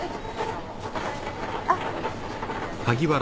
あっ。